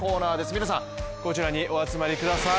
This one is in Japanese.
皆さんこちらにお集まりください。